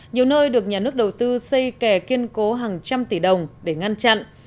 nhiều nơi được nhà nước đầu tư xây kè kiên cố hàng trăm tỷ đồng để ngăn chặn